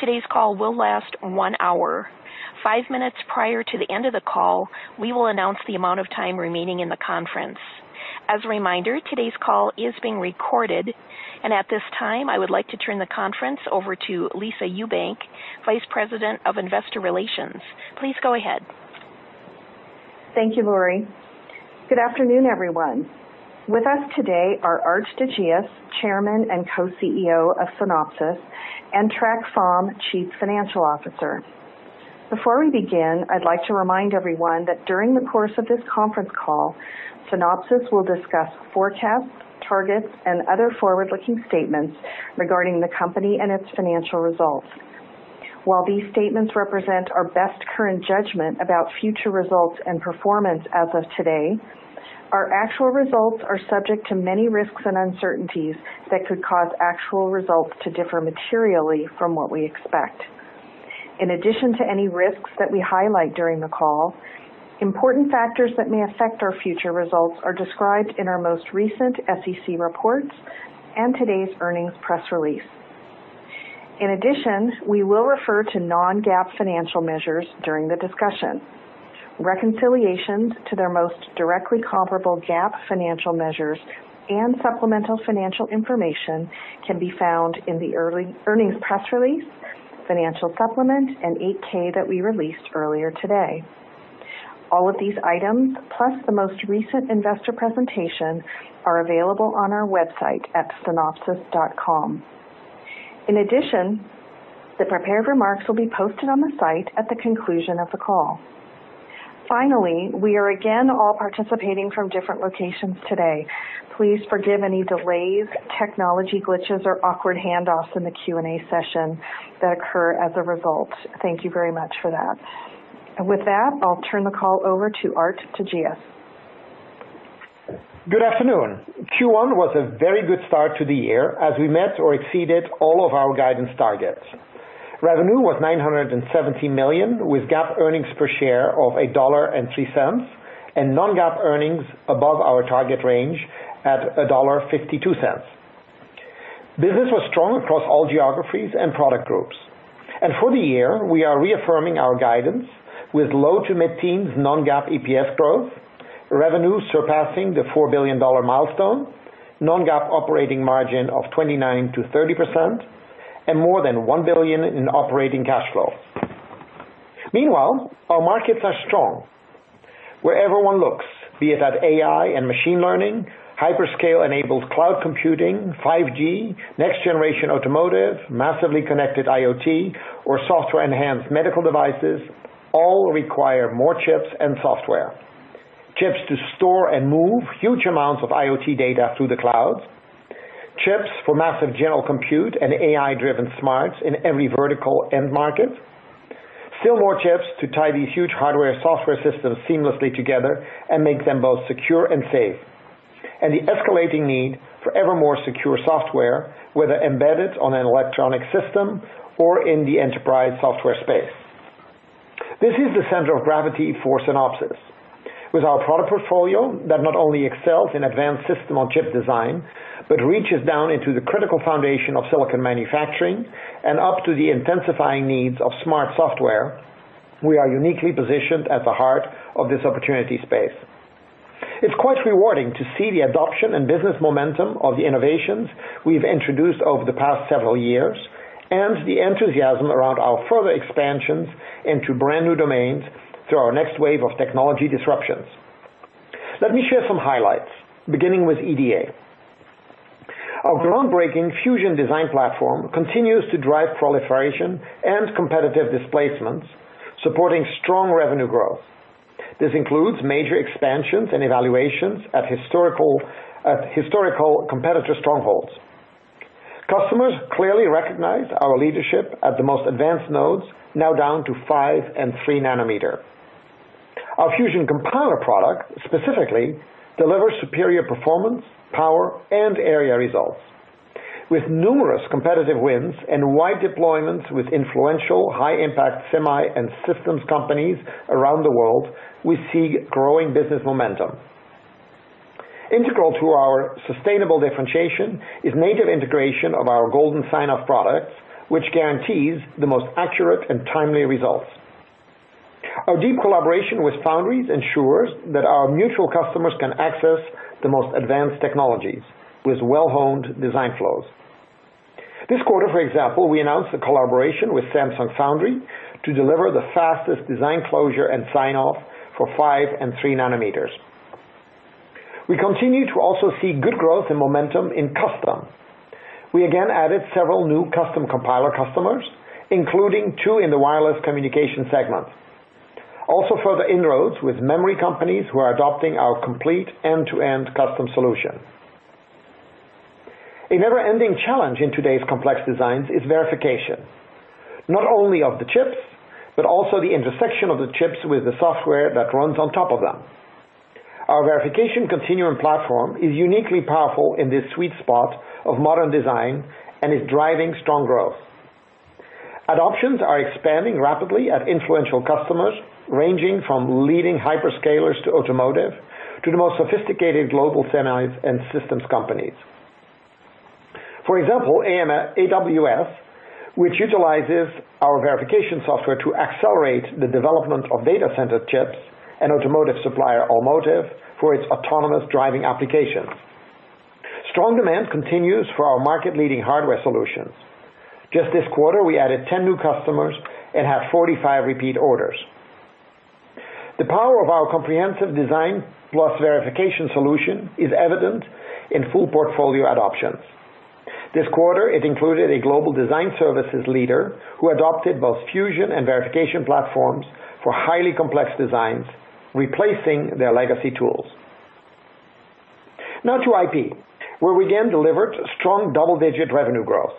Today's call will last one hour. Five minutes prior to the end of the call, we will announce the amount of time remaining in the conference. As a reminder, today's call is being recorded, and at this time, I would like to turn the conference over to Lisa Ewbank, Vice President of Investor Relations. Please go ahead. Thank you, Lori. Good afternoon, everyone. With us today are Aart de Geus, Chairman and Co-CEO of Synopsys, and Trac Pham, Chief Financial Officer. Before we begin, I'd like to remind everyone that during the course of this conference call, Synopsys will discuss forecasts, targets, and other forward-looking statements regarding the company and its financial results. While these statements represent our best current judgment about future results and performance as of today, our actual results are subject to many risks and uncertainties that could cause actual results to differ materially from what we expect. In addition to any risks that we highlight during the call, important factors that may affect our future results are described in our most recent SEC reports and today's earnings press release. In addition, we will refer to non-GAAP financial measures during the discussion. Reconciliations to their most directly comparable GAAP financial measures and supplemental financial information can be found in the earnings press release, financial supplement, and 8-K that we released earlier today. All of these items, plus the most recent investor presentation, are available on our website at synopsys.com. In addition, the prepared remarks will be posted on the site at the conclusion of the call. Finally, we are again all participating from different locations today. Please forgive any delays, technology glitches, or awkward handoffs in the Q&A session that occur as a result. Thank you very much for that. With that, I'll turn the call over to Aart de Geus. Good afternoon. Q1 was a very good start to the year as we met or exceeded all of our guidance targets. Revenue was $917 million, with GAAP earnings per share of $1.03 and non-GAAP earnings above our target range at $1.52. Business was strong across all geographies and product groups. For the year, we are reaffirming our guidance with low to mid-teens non-GAAP EPS growth, revenue surpassing the $4 billion milestone, non-GAAP operating margin of 29%-30%, and more than $1 billion in operating cash flow. Meanwhile, our markets are strong wherever one looks, be it at AI and machine learning, hyperscale-enabled cloud computing, 5G, next-generation automotive, massively connected IoT, or software-enhanced medical devices, all require more chips and software. Chips to store and move huge amounts of IoT data through the cloud, chips for massive general compute and AI-driven smarts in every vertical end market. Still more chips to tie these huge hardware, software systems seamlessly together and make them both secure and safe. The escalating need for ever more secure software, whether embedded on an electronic system or in the enterprise software space. This is the center of gravity for Synopsys. With our product portfolio that not only excels in advanced system-on-chip design but reaches down into the critical foundation of silicon manufacturing and up to the intensifying needs of smart software, we are uniquely positioned at the heart of this opportunity space. It's quite rewarding to see the adoption and business momentum of the innovations we've introduced over the past several years and the enthusiasm around our further expansions into brand-new domains through our next wave of technology disruptions. Let me share some highlights, beginning with EDA. Our groundbreaking Fusion Design Platform continues to drive proliferation and competitive displacements, supporting strong revenue growth. This includes major expansions and evaluations at historical competitor strongholds. Customers clearly recognize our leadership at the most advanced nodes, now down to five and three nanometer. Our Fusion Compiler product specifically delivers superior performance, power, and area results. With numerous competitive wins and wide deployments with influential high-impact semi and systems companies around the world, we see growing business momentum. Integral to our sustainable differentiation is native integration of our Golden sign-off products, which guarantees the most accurate and timely results. Our deep collaboration with foundries ensures that our mutual customers can access the most advanced technologies with well-honed design flows. This quarter, for example, we announced a collaboration with Samsung Foundry to deliver the fastest design closure and sign-off for five and three nanometers. We continue to also see good growth and momentum in Custom. We again added several new Custom Compiler customers, including two in the wireless communication segment. Further inroads with memory companies who are adopting our complete end-to-end Custom solution. A never-ending challenge in today's complex designs is verification, not only of the chips, but also the intersection of the chips with the software that runs on top of them. Our Verification Continuum platform is uniquely powerful in this sweet spot of modern design and is driving strong growth. Adoptions are expanding rapidly at influential customers, ranging from leading hyperscalers to automotive, to the most sophisticated global semis and systems companies. For example, AWS, which utilizes our verification software to accelerate the development of data center chips and automotive supplier AImotive for its autonomous driving applications. Strong demand continues for our market-leading hardware solutions. Just this quarter, we added 10 new customers and had 45 repeat orders. The power of our comprehensive design plus verification solution is evident in full portfolio adoptions. This quarter, it included a global design services leader who adopted both Fusion and Verification platforms for highly complex designs, replacing their legacy tools. Now to IP, where we again delivered strong double-digit revenue growth.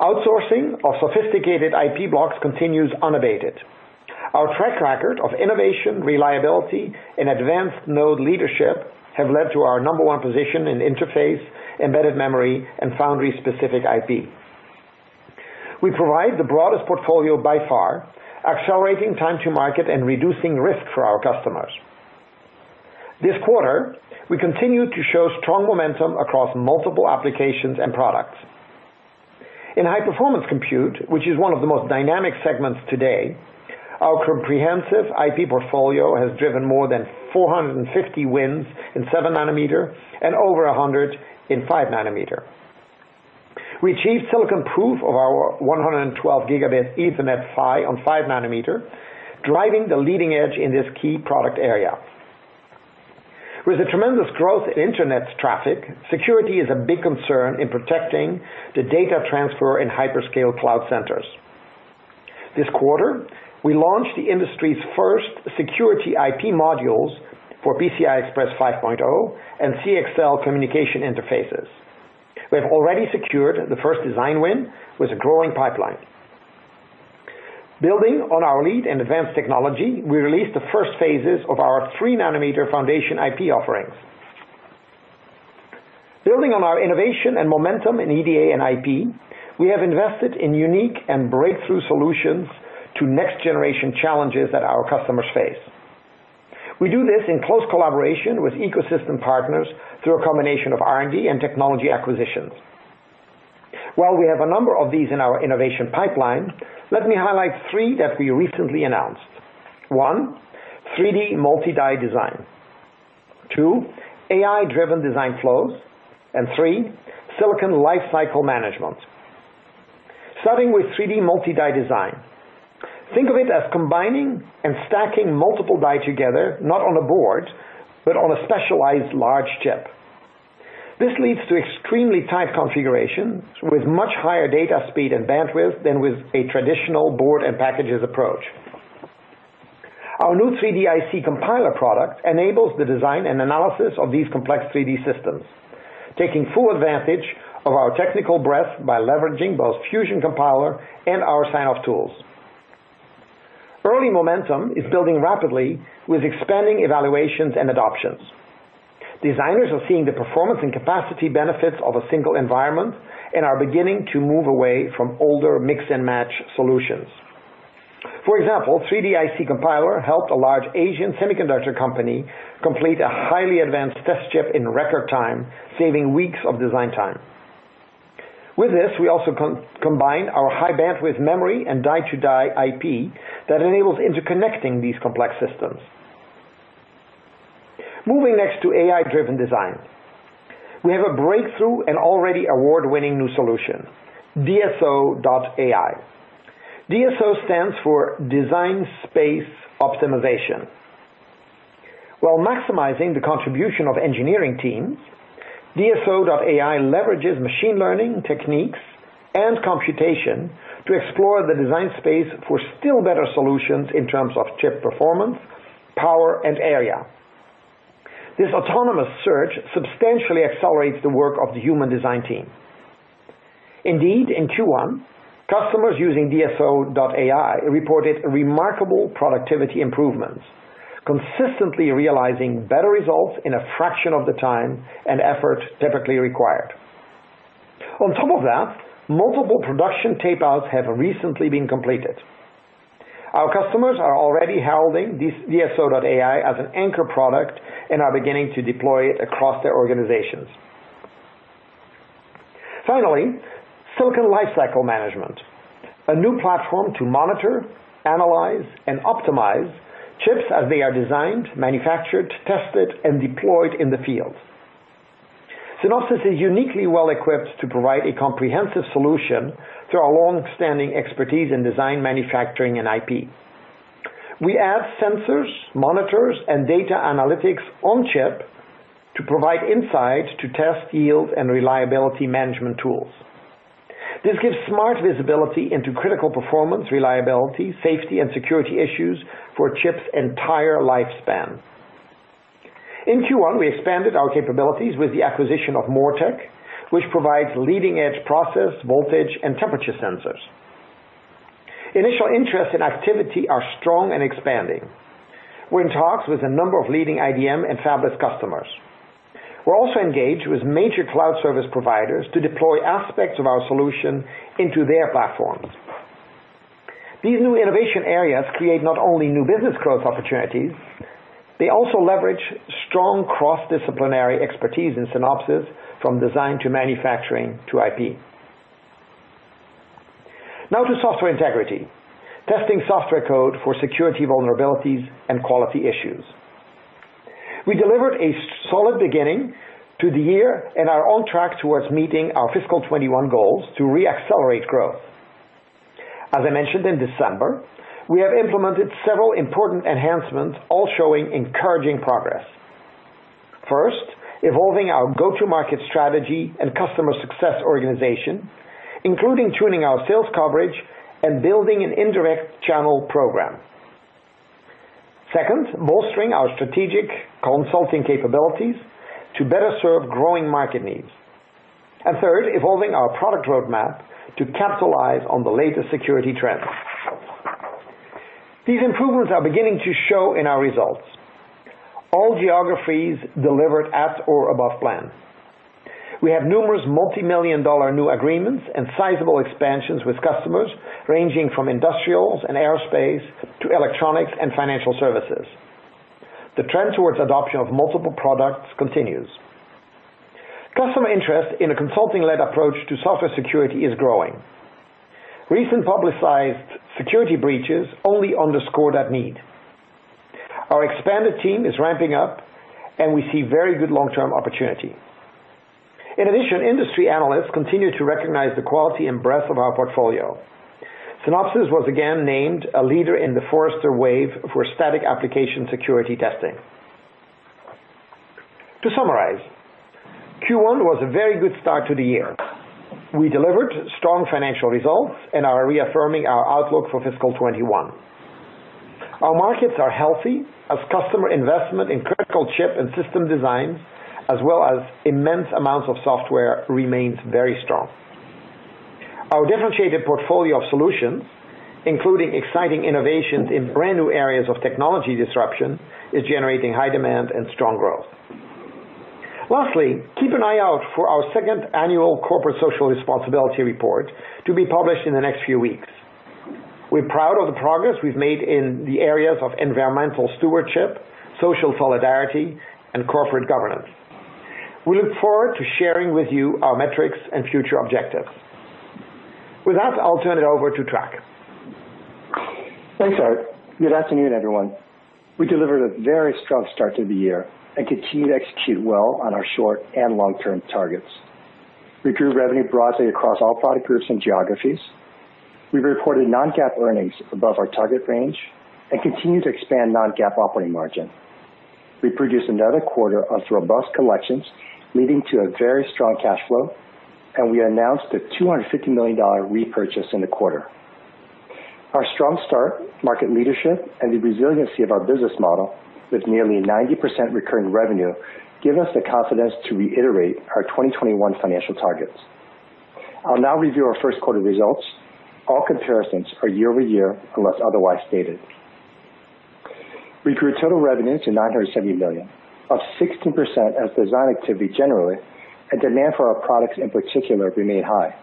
Outsourcing of sophisticated IP blocks continues unabated. Our track record of innovation, reliability, and advanced node leadership have led to our number one position in interface, embedded memory, and foundry-specific IP. We provide the broadest portfolio by far, accelerating time to market and reducing risk for our customers. This quarter, we continued to show strong momentum across multiple applications and products. In high-performance compute, which is one of the most dynamic segments today, our comprehensive IP portfolio has driven more than 450 wins in seven nanometer and over 100 in five nanometer. We achieved silicon proof of our 112 gigabit Ethernet PHY on five nanometer, driving the leading edge in this key product area. With the tremendous growth in internet traffic, security is a big concern in protecting the data transfer in hyperscale cloud centers. This quarter, we launched the industry's first security IP modules for PCI Express 5.0 and CXL communication interfaces. We have already secured the first design win with a growing pipeline. Building on our lead in advanced technology, we released the first phases of our three-nanometer foundation IP offerings. Building on our innovation and momentum in EDA and IP, we have invested in unique and breakthrough solutions to next-generation challenges that our customers face. We do this in close collaboration with ecosystem partners through a combination of R&D and technology acquisitions. While we have a number of these in our innovation pipeline, let me highlight three that we recently announced. One, 3D multi-die design. Two, AI-driven design flows, and three, Silicon Lifecycle Management. Starting with 3D multi-die design, think of it as combining and stacking multiple die together, not on a board, but on a specialized large chip. This leads to extremely tight configurations with much higher data speed and bandwidth than with a traditional board and packages approach. Our new 3DIC Compiler product enables the design and analysis of these complex 3D systems, taking full advantage of our technical breadth by leveraging both Fusion Compiler and our signoff tools. Early momentum is building rapidly with expanding evaluations and adoptions. Designers are seeing the performance and capacity benefits of a single environment and are beginning to move away from older mix-and-match solutions. For example, 3DIC Compiler helped a large Asian semiconductor company complete a highly advanced test chip in record time, saving weeks of design time. With this, we also combined our High-Bandwidth Memory and die-to-die IP that enables interconnecting these complex systems. Moving next to AI-driven design. We have a breakthrough and already award-winning new solution, DSO.ai. DSO stands for Design Space Optimization. While maximizing the contribution of engineering teams, DSO.ai leverages machine learning techniques and computation to explore the design space for still better solutions in terms of chip performance, power, and area. This autonomous search substantially accelerates the work of the human design team. Indeed, in Q1, customers using DSO.ai reported remarkable productivity improvements, consistently realizing better results in a fraction of the time and effort typically required. On top of that, multiple production tape outs have recently been completed. Our customers are already hailing this DSO.ai as an anchor product and are beginning to deploy it across their organizations. Finally, Silicon Lifecycle Management, a new platform to monitor, analyze, and optimize chips as they are designed, manufactured, tested, and deployed in the field. Synopsys is uniquely well-equipped to provide a comprehensive solution through our longstanding expertise in design, manufacturing, and IP. We add sensors, monitors, and data analytics on-chip to provide insight to test yield and reliability management tools. This gives smart visibility into critical performance, reliability, safety, and security issues for a chip's entire lifespan. In Q1, we expanded our capabilities with the acquisition of Moortec, which provides leading-edge process, voltage, and temperature sensors. Initial interest and activity are strong and expanding. We're in talks with a number of leading IDM and fabless customers. We're also engaged with major cloud service providers to deploy aspects of our solution into their platforms. These new innovation areas create not only new business growth opportunities, they also leverage strong cross-disciplinary expertise in Synopsys from design to manufacturing to IP. Now to Software Integrity, testing software code for security vulnerabilities and quality issues. We delivered a solid beginning to the year and are on track towards meeting our fiscal 2021 goals to re-accelerate growth. As I mentioned in December, we have implemented several important enhancements, all showing encouraging progress. First, evolving our go-to-market strategy and customer success organization, including tuning our sales coverage and building an indirect channel program. Second, bolstering our strategic consulting capabilities to better serve growing market needs. Third, evolving our product roadmap to capitalize on the latest security trends. These improvements are beginning to show in our results. All geographies delivered at or above plan. We have numerous multi-million dollar new agreements and sizable expansions with customers ranging from industrials and aerospace to electronics and financial services. The trend towards adoption of multiple products continues. Customer interest in a consulting-led approach to software security is growing. Recent publicized security breaches only underscore that need. Our expanded team is ramping up, and we see very good long-term opportunity. In addition, industry analysts continue to recognize the quality and breadth of our portfolio. Synopsys was again named a leader in The Forrester Wave for static application security testing. To summarize, Q1 was a very good start to the year. We delivered strong financial results and are reaffirming our outlook for fiscal 2021. Our markets are healthy as customer investment in critical chip and system design, as well as immense amounts of software, remains very strong. Our differentiated portfolio of solutions, including exciting innovations in brand-new areas of technology disruption, is generating high demand and strong growth. Lastly, keep an eye out for our second annual corporate social responsibility report to be published in the next few weeks. We're proud of the progress we've made in the areas of environmental stewardship, social solidarity, and corporate governance. We look forward to sharing with you our metrics and future objectives. With that, I'll turn it over to Trac. Thanks, Aart. Good afternoon, everyone. We delivered a very strong start to the year and continue to execute well on our short and long-term targets. We grew revenue broadly across all product groups and geographies. We reported non-GAAP earnings above our target range and continue to expand non-GAAP operating margin. We produced another quarter of robust collections, leading to a very strong cash flow, and we announced a $250 million repurchase in the quarter. Our strong start, market leadership, and the resiliency of our business model with nearly 90% recurring revenue give us the confidence to reiterate our 2021 financial targets. I'll now review our Q1 results. All comparisons are year-over-year unless otherwise stated. We grew total revenue to $970 million, up 16% as design activity generally and demand for our products in particular remained high.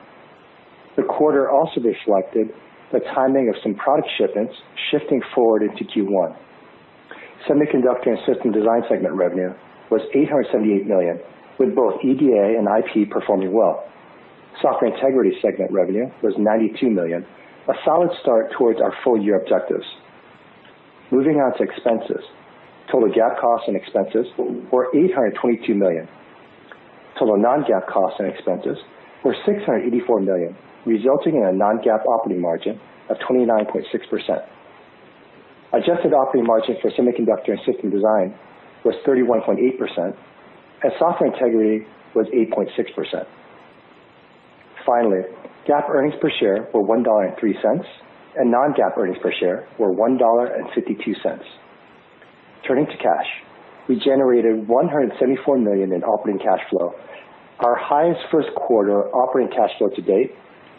The quarter also reflected the timing of some product shipments shifting forward into Q1. Semiconductor and System Design segment revenue was $878 million, with both EDA and IP performing well. Software Integrity segment revenue was $92 million, a solid start towards our full-year objectives. Moving on to expenses. Total GAAP costs and expenses were $822 million. Total non-GAAP costs and expenses were $684 million, resulting in a non-GAAP operating margin of 29.6%. Adjusted operating margin for Semiconductor and System Design was 31.8%, and Software Integrity was 8.6%. Finally, GAAP earnings per share were $1.03, and non-GAAP earnings per share were $1.52. Turning to cash. We generated $174 million in operating cash flow, our highest Q1 operating cash flow to date,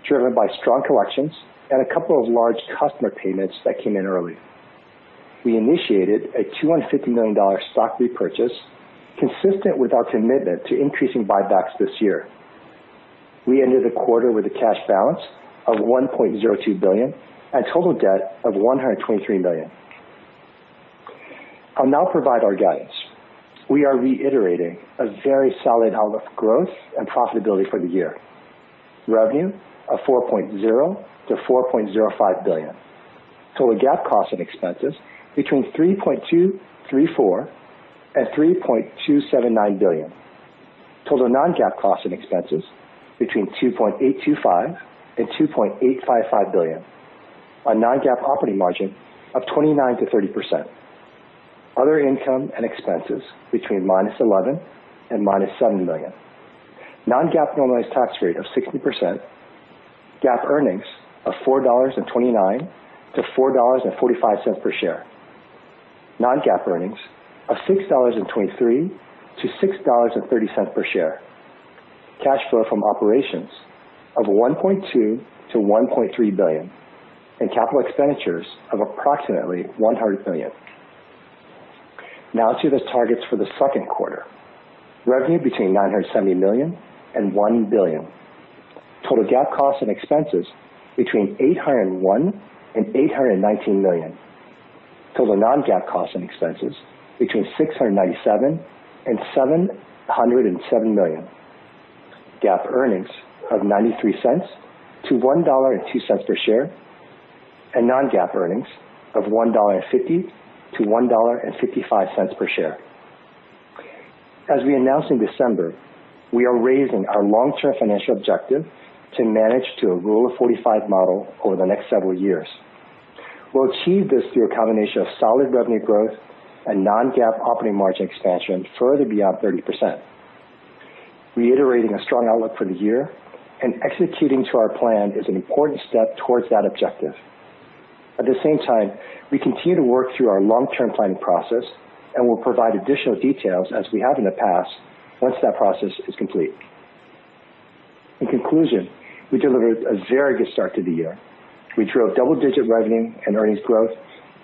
driven by strong collections and a couple of large customer payments that came in early. We initiated a $250 million stock repurchase consistent with our commitment to increasing buybacks this year. We ended the quarter with a cash balance of $1.02 billion and total debt of $123 million. I'll now provide our guidance. We are reiterating a very solid outlook growth and profitability for the year. Revenue of $4.0 billion-$4.05 billion. Total GAAP costs and expenses between $3.234 billion and $3.279 billion. Total non-GAAP costs and expenses between $2.825 billion and $2.855 billion, a non-GAAP operating margin of 29%-30%. Other income and expenses between -$11 million and -$7 million. Non-GAAP normalized tax rate of 60%. GAAP earnings of $4.29-$4.45 per share. Non-GAAP earnings of $6.23-$6.30 per share. Cash flow from operations of $1.2 billion-$1.3 billion, and capital expenditures of approximately $100 million. Let's see those targets for the Q2. Revenue between $970 million and $1 billion. Total GAAP costs and expenses between $801 million and $819 million. Total non-GAAP costs and expenses between $697 million and $707 million. GAAP earnings of $0.93 to $1.02 per share, and non-GAAP earnings of $1.50 to $1.55 per share. As we announced in December, we are raising our long-term financial objective to manage to a Rule of 45 model over the next several years. We'll achieve this through a combination of solid revenue growth and non-GAAP operating margin expansion further beyond 30%. Reiterating a strong outlook for the year and executing to our plan is an important step towards that objective. At the same time, we continue to work through our long-term planning process, and we'll provide additional details, as we have in the past, once that process is complete. In conclusion, we delivered a very good start to the year. We drove double-digit revenue and earnings growth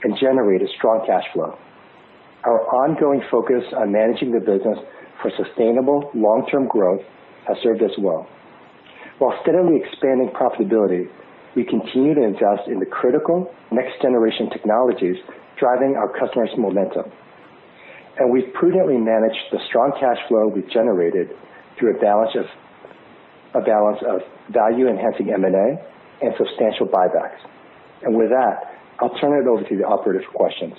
and generated strong cash flow. Our ongoing focus on managing the business for sustainable long-term growth has served us well. While steadily expanding profitability, we continue to invest in the critical next-generation technologies driving our customers' momentum. We've prudently managed the strong cash flow we've generated through a balance of value-enhancing M&A and substantial buybacks. With that, I'll turn it over to the operator for questions.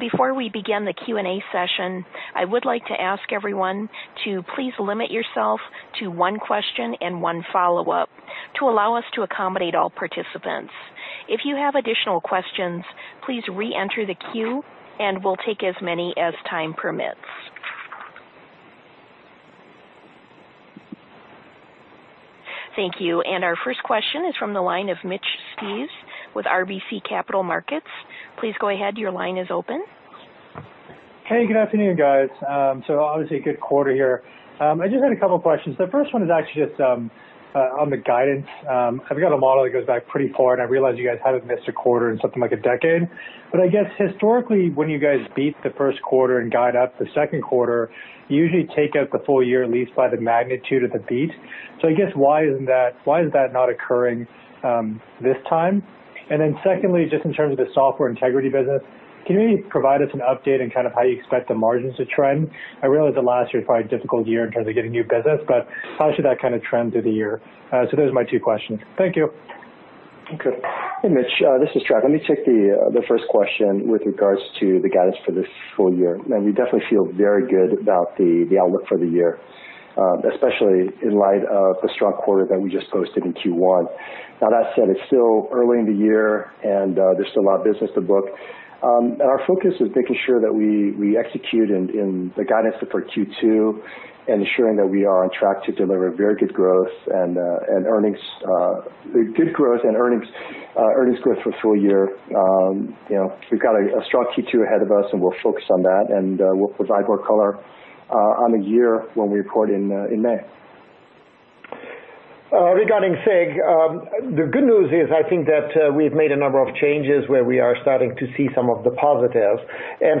Before we begin the Q&A session, I would like to ask everyone to please limit yourself to one question and one follow-up to allow us to accommodate all participants. If you have additional questions, please re-enter the queue and we'll take as many as time permits. Thank you. Our first question is from the line of Mitch Steves with RBC Capital Markets. Please go ahead. Your line is open. Hey, good afternoon, guys. Obviously a good quarter here. I just had a couple questions. The first one is actually just on the guidance. I've got a model that goes back pretty far, and I realize you guys haven't missed a quarter in something like a decade. I guess historically, when you guys beat the Q1 and guide up the Q2, you usually take out the full year, at least by the magnitude of the beat. I guess why is that not occurring this time? Secondly, just in terms of the Software Integrity business, can you provide us an update on kind of how you expect the margins to trend? I realize that last year was probably a difficult year in terms of getting new business, but how should that kind of trend through the year? Those are my two questions. Thank you. Okay. Hey, Mitch, this is Trac. Let me take the first question with regards to the guidance for this full year. We definitely feel very good about the outlook for the year, especially in light of the strong quarter that we just posted in Q1. That said, it's still early in the year, and there's still a lot of business to book. Our focus is making sure that we execute in the guidance for Q2 and ensuring that we are on track to deliver very good growth and earnings growth for full year. We've got a strong Q2 ahead of us, and we're focused on that, and we'll provide more color on the year when we report in May. Regarding SIG, the good news is I think that we've made a number of changes where we are starting to see some of the positives.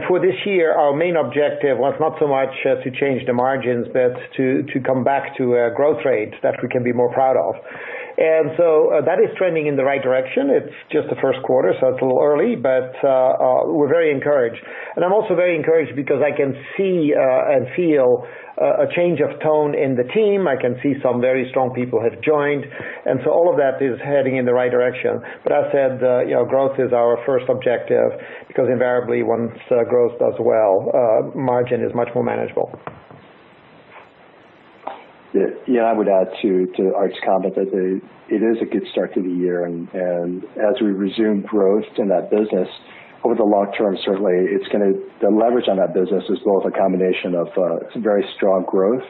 For this year, our main objective was not so much to change the margins, but to come back to a growth rate that we can be more proud of. That is trending in the right direction. It's just the Q1, so it's a little early, but we're very encouraged. I'm also very encouraged because I can see and feel a change of tone in the team. I can see some very strong people have joined, and so all of that is heading in the right direction. That said, growth is our first objective because invariably once growth does well, margin is much more manageable. Yeah, I would add to Aart's comment that it is a good start to the year, and as we resume growth in that business over the long term, certainly the leverage on that business is both a combination of some very strong growth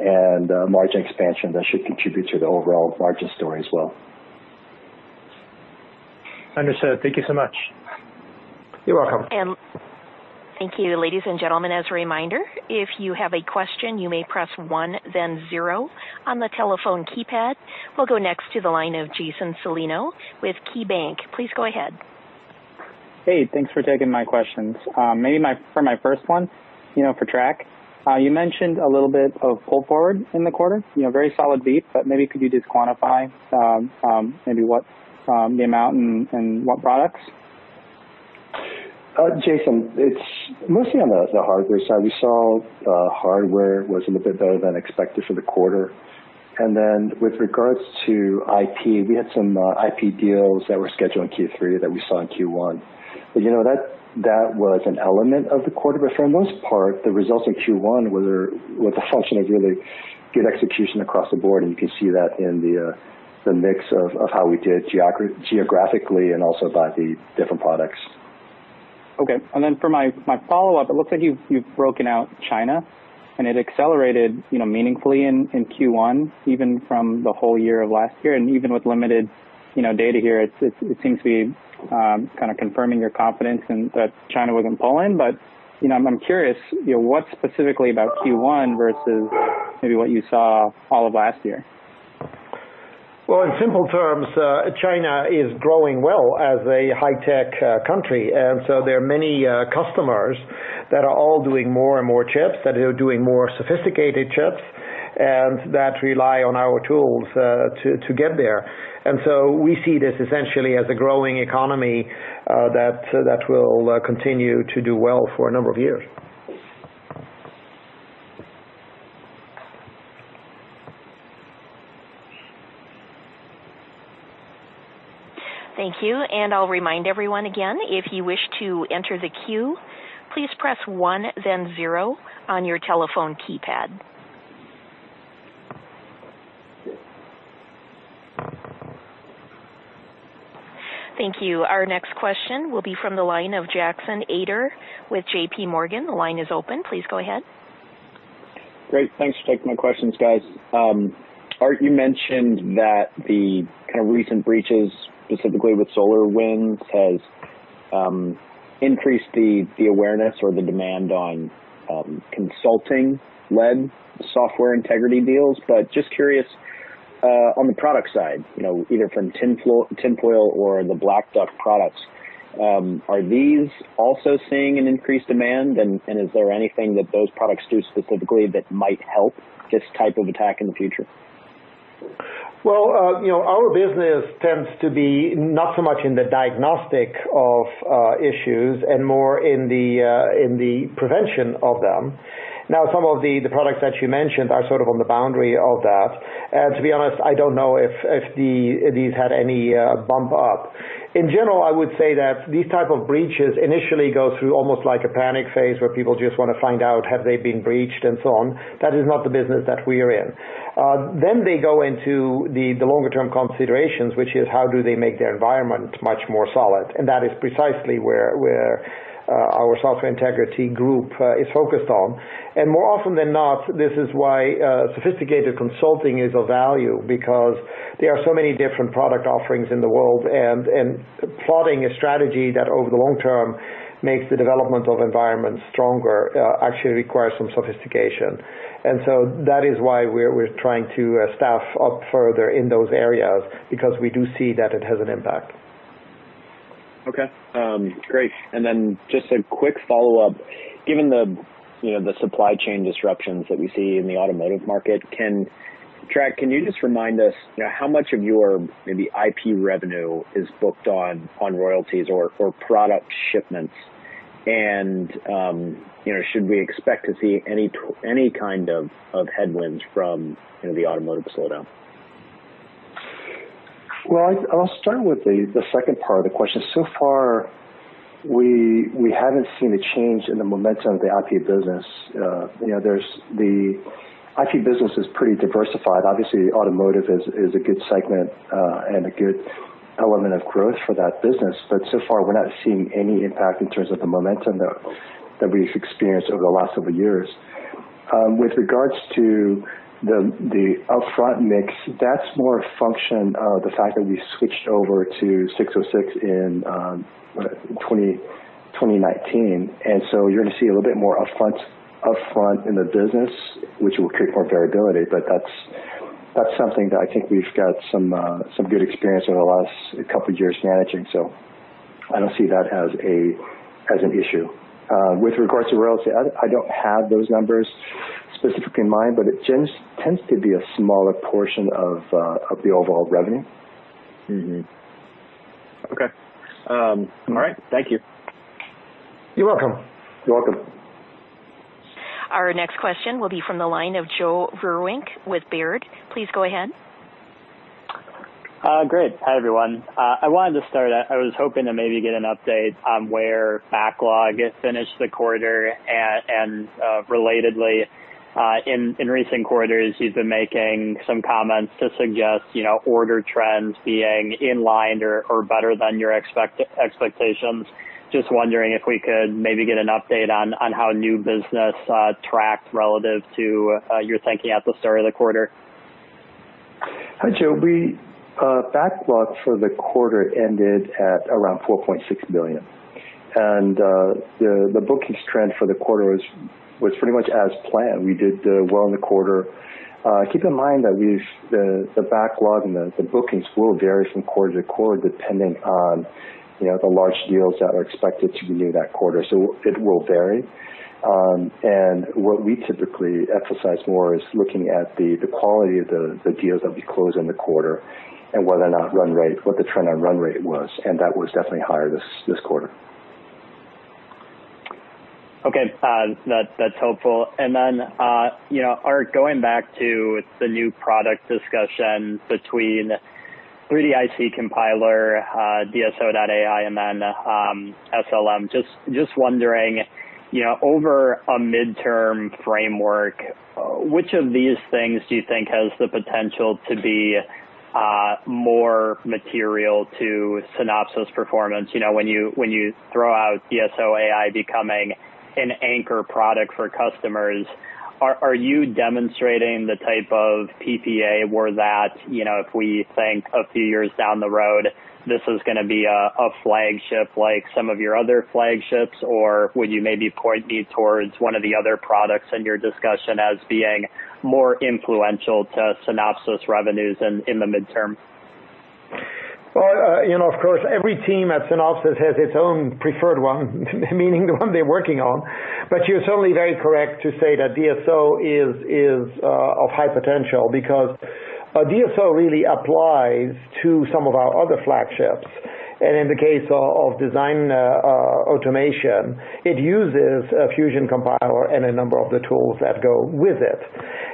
and margin expansion that should contribute to the overall margin story as well. Understood. Thank you so much. You're welcome. Thank you, ladies and gentlemen. As a reminder, if you have a question, you may press one, then zero on the telephone keypad. We'll go next to the line of Jason Celino with KeyBank. Please go ahead. Hey, thanks for taking my questions. Maybe for my first one, for Trac, you mentioned a little bit of pull forward in the quarter, very solid beat, but maybe could you just quantify maybe what the amount and what products? Jason, it's mostly on the hardware side. We saw hardware was a little bit better than expected for the quarter. With regards to IP, we had some IP deals that were scheduled in Q3 that we saw in Q1. That was an element of the quarter. For the most part, the results in Q1 were the function of really good execution across the board, and you can see that in the mix of how we did geographically and also by the different products. Okay. For my follow-up, it looks like you've broken out China, and it accelerated meaningfully in Q1, even from the whole year of last year. Even with limited data here, it seems to be kind of confirming your confidence that China wasn't pulling. I'm curious, what specifically about Q1 versus maybe what you saw all of last year? Well, in simple terms, China is growing well as a high-tech country. There are many customers that are all doing more and more chips, that are doing more sophisticated chips, and that rely on our tools to get there. We see this essentially as a growing economy that will continue to do well for a number of years. Thank you. I'll remind everyone again, if you wish to enter the queue, please press one then zero on your telephone keypad. Thank you. Our next question will be from the line of Jackson Ader with JPMorgan. The line is open. Please go ahead. Great. Thanks for taking my questions, guys. Aart, you mentioned that the kind of recent breaches, specifically with SolarWinds, has increased the awareness or the demand on consulting-led software integrity deals. Just curious, on the product side, either from Tinfoil or the Black Duck products, are these also seeing an increased demand? Is there anything that those products do specifically that might help this type of attack in the future? Well, our business tends to be not so much in the diagnostic of issues and more in the prevention of them. Some of the products that you mentioned are sort of on the boundary of that. To be honest, I don't know if these had any bump up. In general, I would say that these type of breaches initially go through almost like a panic phase where people just want to find out have they been breached and so on. That is not the business that we are in. They go into the longer-term considerations, which is how do they make their environment much more solid, and that is precisely where our Software Integrity Group is focused on. More often than not, this is why sophisticated consulting is of value, because there are so many different product offerings in the world, and plotting a strategy that over the long term makes the development of environments stronger actually requires some sophistication. That is why we're trying to staff up further in those areas, because we do see that it has an impact. Okay. Great. Just a quick follow-up. Given the supply chain disruptions that we see in the automotive market, Trac, can you just remind us how much of your maybe IP revenue is booked on royalties or product shipments? Should we expect to see any kind of headwinds from the automotive slowdown? Well, I'll start with the second part of the question. Far, we haven't seen a change in the momentum of the IP business. The IP business is pretty diversified. Obviously, automotive is a good segment and a good element of growth for that business. Far, we're not seeing any impact in terms of the momentum that we've experienced over the last several years. With regards to the upfront mix, that's more a function of the fact that we switched over to ASC 606 in 2019. You're going to see a little bit more upfront in the business, which will create more variability. That's something that I think we've got some good experience over the last couple of years managing. I don't see that as an issue. With regards to royalty, I don't have those numbers specifically in mind, but it just tends to be a smaller portion of the overall revenue. Mm-hmm. Okay. All right. Thank you. You're welcome. You're welcome. Our next question will be from the line of Joe Vruwink with Baird. Please go ahead. Great. Hi, everyone. I wanted to start out, I was hoping to maybe get an update on where backlog finished the quarter. Relatedly, in recent quarters, you've been making some comments to suggest order trends being in line or better than your expectations. Just wondering if we could maybe get an update on how new business tracked relative to your thinking at the start of the quarter. Hi, Joe. Backlog for the quarter ended at around $4.6 million. The bookings trend for the quarter was pretty much as planned. We did well in the quarter. Keep in mind that the backlog and the bookings will vary from quarter to quarter depending on the large deals that are expected to be in that quarter. It will vary. What we typically exercise more is looking at the quality of the deals that we close in the quarter and whether or not run rate, what the trend on run rate was, and that was definitely higher this quarter. Okay. That's helpful. Aart, going back to the new product discussion between 3DIC Compiler, DSO.ai, and then SLM, just wondering, over a midterm framework, which of these things do you think has the potential to be more material to Synopsys performance. When you throw out DSO.ai becoming an anchor product for customers, are you demonstrating the type of PPA where that, if we think a few years down the road, this is going to be a flagship like some of your other flagships, or would you maybe point me towards one of the other products in your discussion as being more influential to Synopsys revenues in the midterm? Well, of course, every team at Synopsys has its own preferred one, meaning the one they're working on. You're certainly very correct to say that DSO is of high potential, because a DSO really applies to some of our other flagships. In the case of design automation, it uses a Fusion Compiler and a number of the tools that go with it.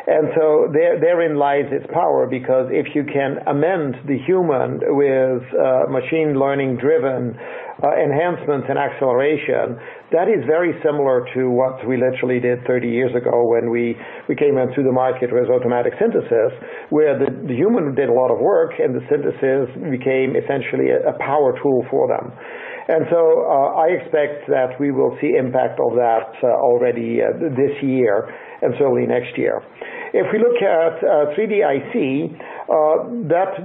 Therein lies its power, because if you can amend the human with machine learning-driven enhancements and acceleration, that is very similar to what we literally did 30 years ago when we came into the market with automatic synthesis, where the human did a lot of work and the synthesis became essentially a power tool for them. I expect that we will see impact of that already this year and certainly next year. If we look at 3D IC,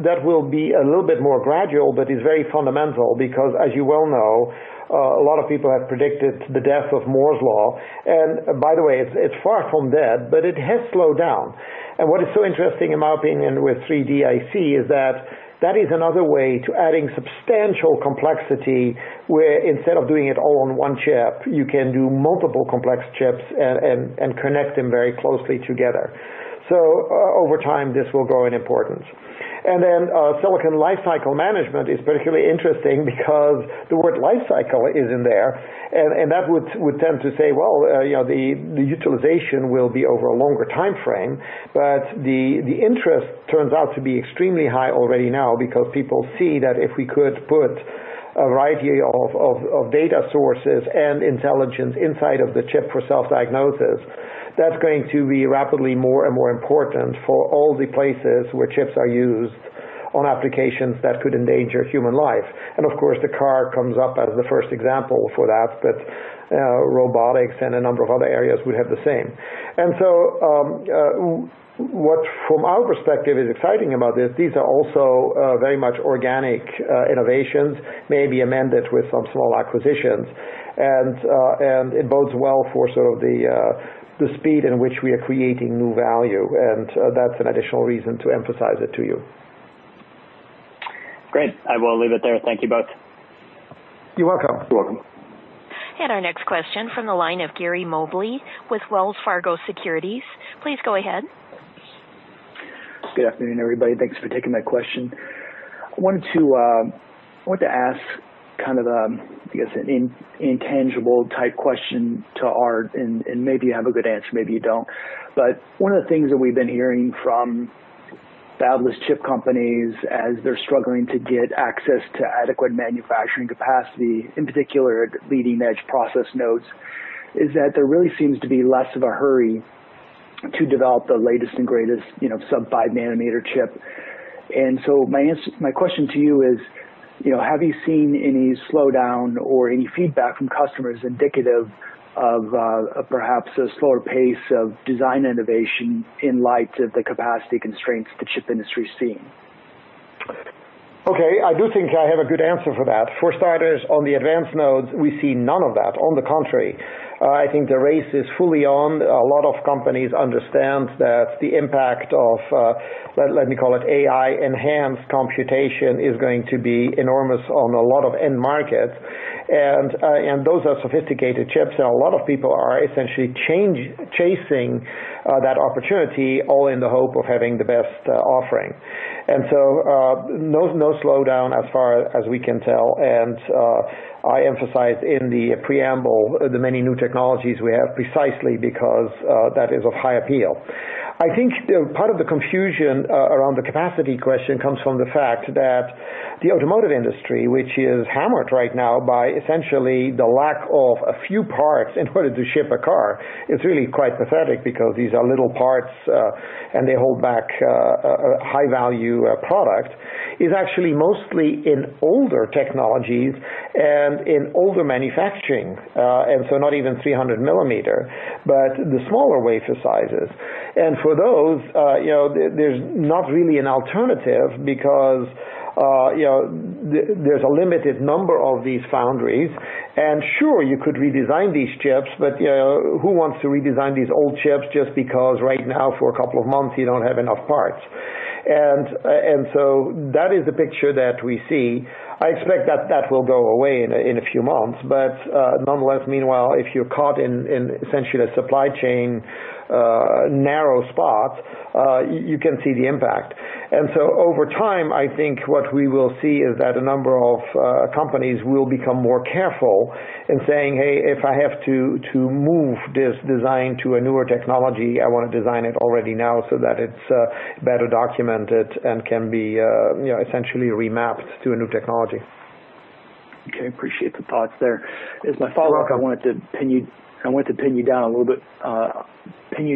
that will be a little bit more gradual, but is very fundamental because, as you well know, a lot of people have predicted the death of Moore's Law, and by the way, it's far from dead, but it has slowed down. What is so interesting in my opinion with 3D IC is that that is another way to adding substantial complexity, where instead of doing it all on one chip, you can do multiple complex chips and connect them very closely together. Over time, this will grow in importance. Silicon Lifecycle Management is particularly interesting because the word lifecycle is in there, and that would tend to say, well, the utilization will be over a longer timeframe, but the interest turns out to be extremely high already now because people see that if we could put a variety of data sources and intelligence inside of the chip for self-diagnosis, that's going to be rapidly more and more important for all the places where chips are used on applications that could endanger human life. Of course, the car comes up as the first example for that, but robotics and a number of other areas would have the same. What from our perspective is exciting about this, these are also very much organic innovations, maybe amended with some small acquisitions. It bodes well for sort of the speed in which we are creating new value, and that's an additional reason to emphasize it to you. Great. I will leave it there. Thank you both. You're welcome. You're welcome. Our next question from the line of Gary Mobley with Wells Fargo Securities. Please go ahead. Good afternoon, everybody. Thanks for taking my question. I wanted to ask, I guess, an intangible type question to Aart, and maybe you have a good answer, maybe you don't. One of the things that we've been hearing from fabless chip companies as they're struggling to get access to adequate manufacturing capacity, in particular leading-edge process nodes, is that there really seems to be less of a hurry to develop the latest and greatest sub 5-nanometer chip. My question to you is, have you seen any slowdown or any feedback from customers indicative of perhaps a slower pace of design innovation in light of the capacity constraints the chip industry is seeing? Okay. I do think I have a good answer for that. For starters, on the advanced nodes, we see none of that. On the contrary, I think the race is fully on. A lot of companies understand that the impact of, let me call it AI-enhanced computation, is going to be enormous on a lot of end markets. Those are sophisticated chips, and a lot of people are essentially chasing that opportunity, all in the hope of having the best offering. No slowdown as far as we can tell, and I emphasize in the preamble the many new technologies we have precisely because that is of high appeal. I think part of the confusion around the capacity question comes from the fact that the automotive industry, which is hammered right now by essentially the lack of a few parts in order to ship a car, is really quite pathetic because these are little parts and they hold back a high-value product, is actually mostly in older technologies and in older manufacturing. Not even 300 millimeter, but the smaller wafer sizes. For those there's not really an alternative because there's a limited number of these foundries. Sure, you could redesign these chips, but who wants to redesign these old chips just because right now, for a couple of months, you don't have enough parts? That is the picture that we see. I expect that will go away in a few months. Nonetheless, meanwhile, if you're caught in essentially the supply chain narrow spot, you can see the impact. Over time, I think what we will see is that a number of companies will become more careful in saying, "Hey, if I have to move this design to a newer technology, I want to design it already now so that it's better documented and can be essentially remapped to a new technology. Okay, appreciate the thoughts there. As my follow-up, I wanted to pin you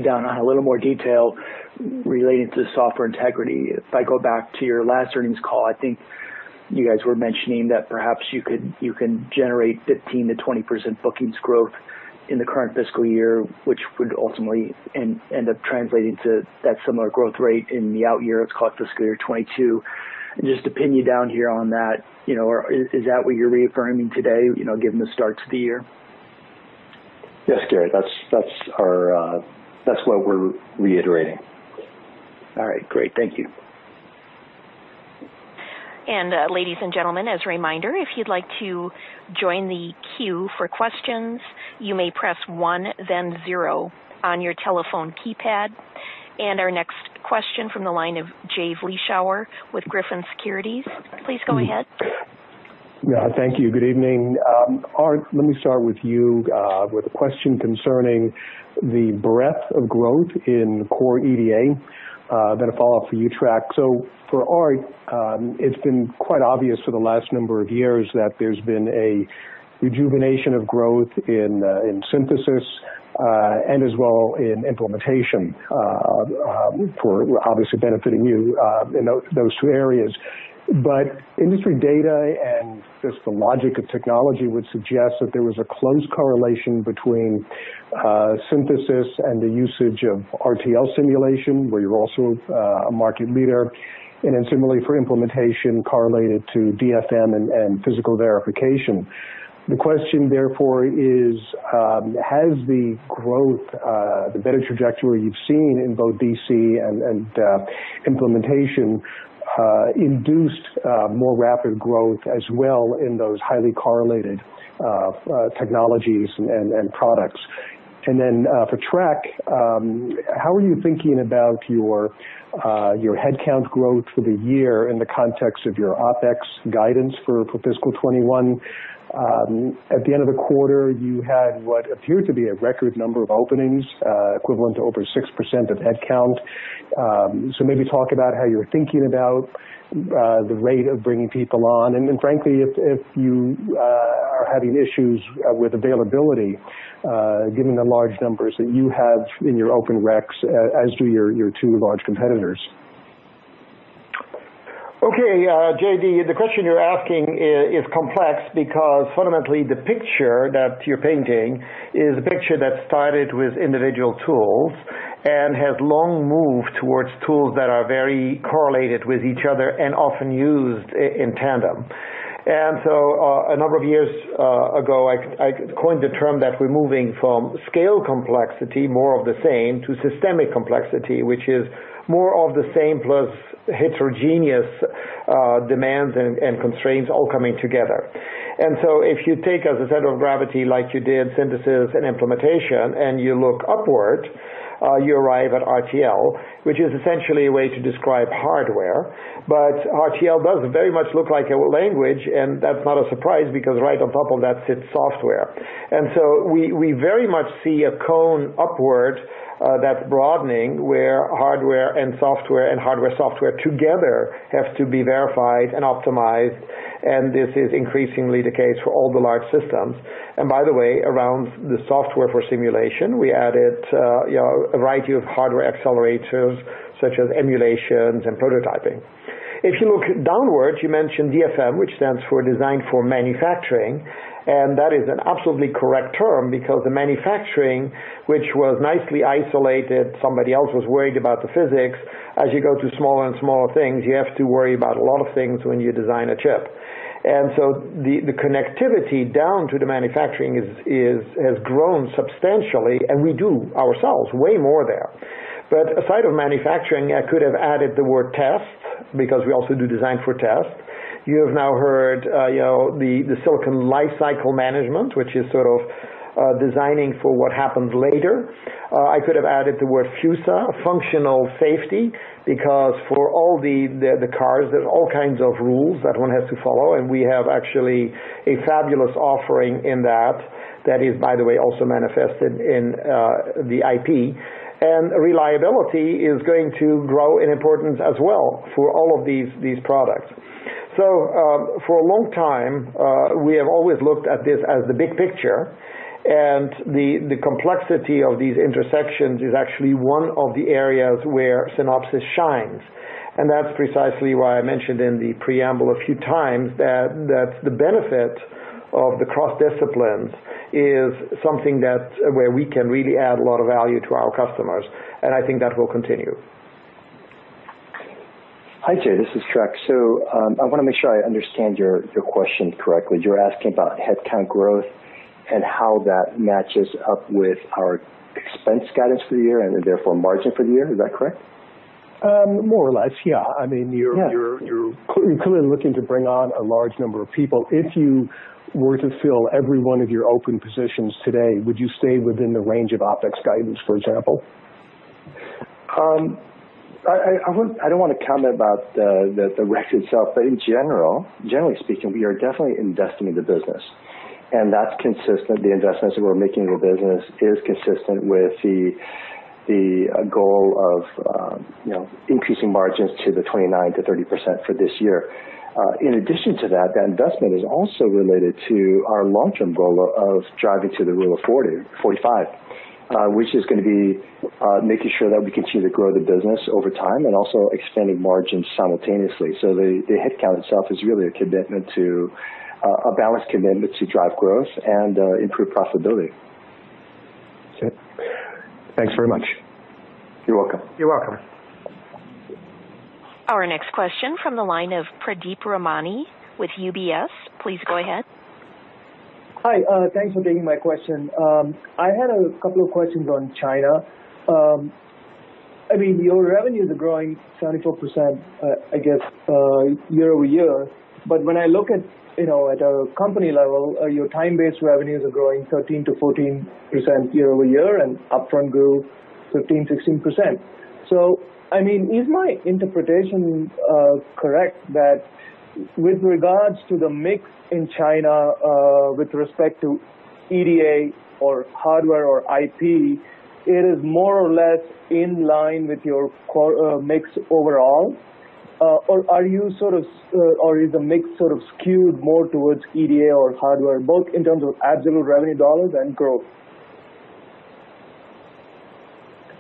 down on a little more detail relating to software integrity. If I go back to your last earnings call, I think you guys were mentioning that perhaps you can generate 15%-20% bookings growth in the current fiscal year, which would ultimately end up translating to that similar growth rate in the out year, let's call it fiscal year 2022. Just to pin you down here on that, is that what you're reaffirming today, given the start to the year? Yes, Garry, that's what we're reiterating. All right, great. Thank you. Ladies and gentlemen, as a reminder, if you'd like to join the queue for questions, you may press one then zero on your telephone keypad. Our next question from the line of Jay Vleeschhouwer with Griffin Securities. Please go ahead. Yeah, thank you. Good evening. Aart, let me start with you with a question concerning the breadth of growth in core EDA, then a follow-up for you, Trac. For Aart, it's been quite obvious for the last number of years that there's been a rejuvenation of growth in synthesis and as well in implementation, obviously benefiting you in those two areas. Industry data and just the logic of technology would suggest that there was a close correlation between synthesis and the usage of RTL simulation, where you're also a market leader, and then similarly for implementation correlated to DFM and physical verification. The question therefore is, has the growth, the better trajectory you've seen in both DC and implementation induced more rapid growth as well in those highly correlated technologies and products? For Trac, how are you thinking about your headcount growth for the year in the context of your OpEx guidance for fiscal 2021? At the end of the quarter, you had what appeared to be a record number of openings, equivalent to over 6% of headcount. Maybe talk about how you're thinking about the rate of bringing people on, and then frankly, if you are having issues with availability, given the large numbers that you have in your open recs, as do your two large competitors. Okay, Jay, the question you're asking is complex because fundamentally the picture that you're painting is a picture that started with individual tools and has long moved towards tools that are very correlated with each other and often used in tandem. A number of years ago, I coined the term that we're moving from scale complexity, more of the same, to systemic complexity, which is more of the same plus heterogeneous demands and constraints all coming together. If you take as a set of gravity like you did synthesis and implementation, and you look upward, you arrive at RTL, which is essentially a way to describe hardware. RTL does very much look like a language, and that's not a surprise because right on top of that sits software. We very much see a cone upward that's broadening where hardware and software and hardware-software together have to be verified and optimized, and this is increasingly the case for all the large systems. By the way, around the software for simulation, we added a variety of hardware accelerators such as emulations and prototyping. If you look downwards, you mentioned DFM, which stands for design for manufacturing, and that is an absolutely correct term because the manufacturing, which was nicely isolated, somebody else was worried about the physics, as you go to smaller and smaller things, you have to worry about a lot of things when you design a chip. The connectivity down to the manufacturing has grown substantially, and we do ourselves way more there. Aside of manufacturing, I could have added the word test because we also do design for test. You have now heard the silicon lifecycle management, which is sort of designing for what happens later. I could have added the word FUSA, functional safety, because for all the cars, there's all kinds of rules that one has to follow, and we have actually a fabulous offering in that is, by the way, also manifested in the IP. Reliability is going to grow in importance as well for all of these products. For a long time, we have always looked at this as the big picture, and the complexity of these intersections is actually one of the areas where Synopsys shines. That's precisely why I mentioned in the preamble a few times that the benefit of the cross-disciplines is something where we can really add a lot of value to our customers, and I think that will continue. Hi, Jay, this is Trac. I want to make sure I understand your question correctly. You're asking about headcount growth and how that matches up with our expense guidance for the year and therefore margin for the year. Is that correct? More or less, yeah. I mean, you're clearly looking to bring on a large number of people. If you were to fill every one of your open positions today, would you stay within the range of OpEx guidance, for example? I don't want to comment about the rec itself. In general, generally speaking, we are definitely investing in the business. That is consistent, the investments that we're making in the business is consistent with the goal of increasing margins to the 29%-30% for this year. In addition to that investment is also related to our long-term goal of driving to the Rule of 45, which is going to be making sure that we continue to grow the business over time and also expanding margins simultaneously. The headcount itself is really a balanced commitment to drive growth and improve profitability. Okay. Thanks very much. You're welcome. You're welcome. Our next question from the line of Pradeep Ramani with UBS. Please go ahead. Hi, thanks for taking my question. I had a couple of questions on China. I mean, your revenues are growing 74%, I guess, year-over-year. When I look at a company level, your time-based revenues are growing 13%-14% year-over-year and upfront grew 15%, 16%. I mean, is my interpretation correct that with regards to the mix in China with respect to EDA or hardware or IP, it is more or less in line with your mix overall? Or is the mix sort of skewed more towards EDA or hardware, both in terms of absolute revenue dollars and growth?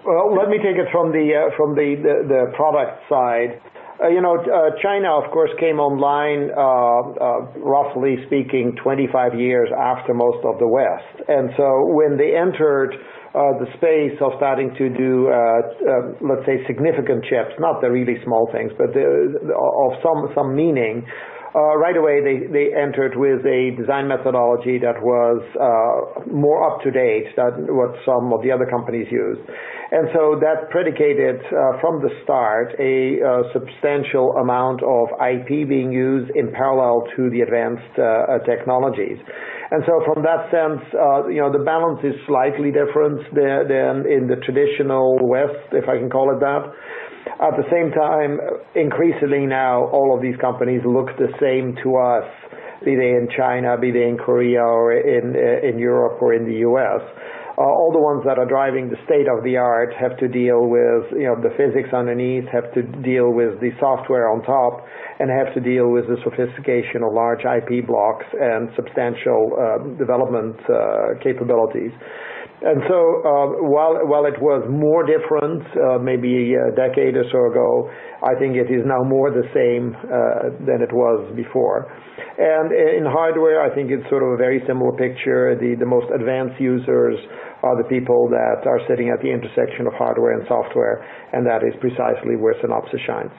Well, let me take it from the product side. China, of course, came online, roughly speaking, 25 years after most of the West. When they entered the space of starting to do, let's say, significant chips, not the really small things, but of some meaning, right away, they entered with a design methodology that was more up to date than what some of the other companies used. That predicated from the start a substantial amount of IP being used in parallel to the advanced technologies. From that sense, the balance is slightly different than in the traditional West, if I can call it that. At the same time, increasingly now, all of these companies look the same to us, be they in China, be they in Korea, or in Europe, or in the U.S. All the ones that are driving the state-of-the-art have to deal with the physics underneath, have to deal with the software on top, and have to deal with the sophistication of large IP blocks and substantial development capabilities. While it was more different maybe a decade or so ago, I think it is now more the same than it was before. In hardware, I think it's sort of a very similar picture. The most advanced users are the people that are sitting at the intersection of hardware and software, and that is precisely where Synopsys shines.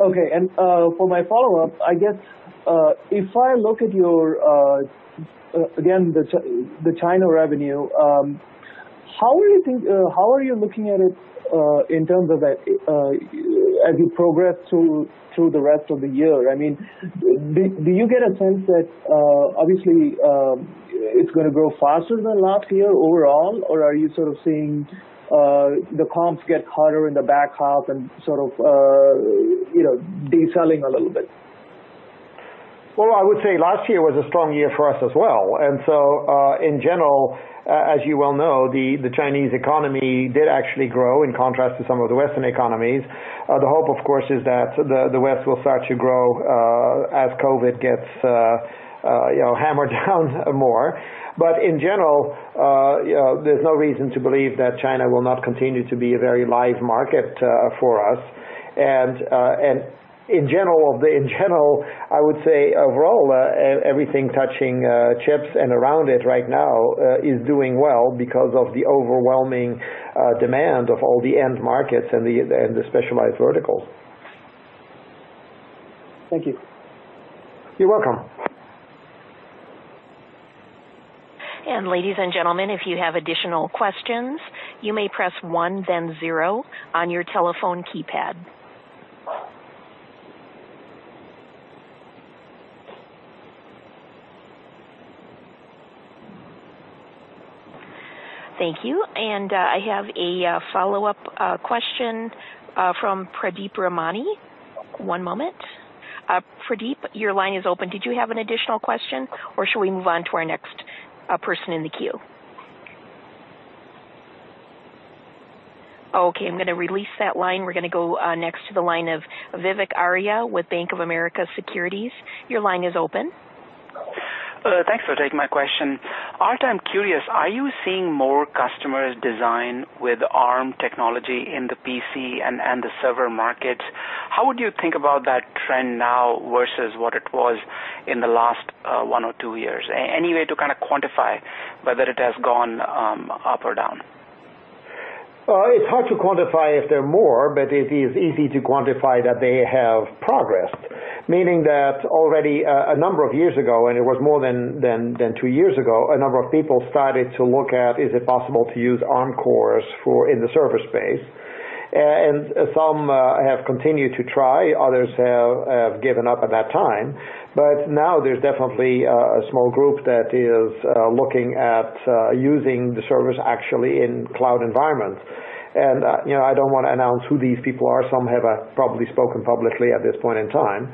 Okay. For my follow-up, I guess, if I look at your, again, the China revenue, how are you looking at it in terms of as you progress through the rest of the year? I mean, do you get a sense that obviously it's going to grow faster than last year overall, or are you sort of seeing the comps get harder in the back half and sort of decelerating a little bit? Well, I would say last year was a strong year for us as well. In general, as you well know, the Chinese economy did actually grow, in contrast to some of the Western economies. The hope, of course, is that the West will start to grow as COVID gets hammered down more. In general, there's no reason to believe that China will not continue to be a very live market for us. In general, I would say overall, everything touching chips and around it right now is doing well because of the overwhelming demand of all the end markets and the specialized verticals. Thank you. You're welcome. Ladies and gentlemen, if you have additional questions, you may press one then zero on your telephone keypad. Thank you. I have a follow-up question from Pradeep Ramani. One moment. Pradeep, your line is open. Did you have an additional question, or should we move on to our next person in the queue? Okay, I'm going to release that line. We're going to go next to the line of Vivek Arya with Bank of America Securities. Your line is open. Thanks for taking my question. Aart, I'm curious, are you seeing more customers design with Arm technology in the PC and the server markets? How would you think about that trend now versus what it was in the last one or two years? Any way to kind of quantify whether it has gone up or down? It's hard to quantify if they're more, but it is easy to quantify that they have progressed. Meaning that already a number of years ago, and it was more than two years ago, a number of people started to look at is it possible to use Arm cores in the server space. Some have continued to try, others have given up at that time. Now there's definitely a small group that is looking at using the servers actually in cloud environments. I don't want to announce who these people are. Some have probably spoken publicly at this point in time.